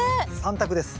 ３択です。